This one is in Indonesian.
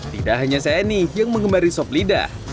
tidak hanya saya nih yang mengembari sop lidah